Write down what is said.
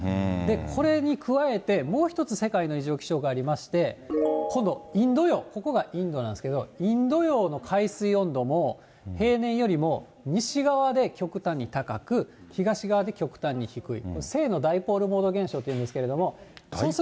これに加えて、もう一つ、世界の異常気象がありまして、今度、インド洋、ここがインドなんですけど、インド洋の海水温度も、平年よりも西側で極端に高く、東側で極端に低い。